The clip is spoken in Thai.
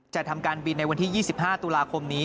จะทำการบินในวันที่๒๕ตุลาคมนี้